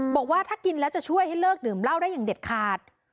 บอกว่าถ้ากินแล้วจะช่วยให้เลิกดื่มเหล้าได้อย่างเด็ดขาด